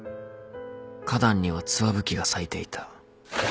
花壇にはツワブキが咲いていた。